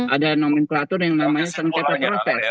ada nomenklatur yang namanya sengketa protes